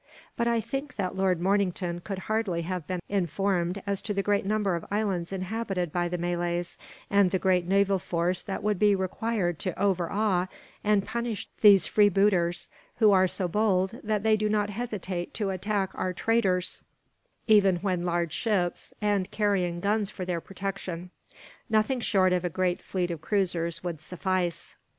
But I think that Lord Mornington could hardly have been informed as to the great number of islands inhabited by the Malays, and the great naval force that would be required to overawe and punish these freebooters; who are so bold that they do not hesitate to attack our traders, even when large ships, and carrying guns for their protection. Nothing short of a great fleet of cruisers would suffice.